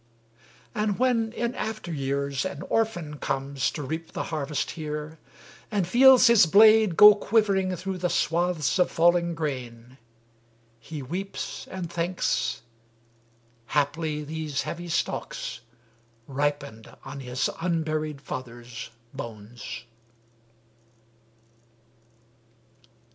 And when in after years an orphan comes To reap the harvest here, and feels his blade Go quivering through the swaths of falling grain, He weeps and thinks haply these heavy stalks Ripened on his unburied father's bones.